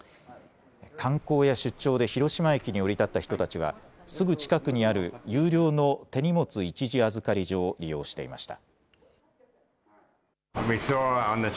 観光や出張で広島駅に降り立った人たちはすぐ近くにある有料の手荷物一時預かり所を利用していました。